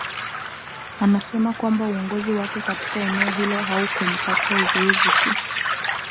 Anasema kwamba uongozi wake katika eneo hilo haukumpatia uzoefu tu